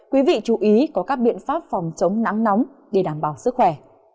quý vị chú ý có các biện pháp phòng chống nắng nóng để đảm bảo sức khỏe